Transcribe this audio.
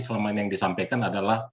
selama ini yang disampaikan adalah